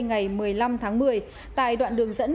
ngày một mươi năm tháng một mươi tại đoạn đường dẫn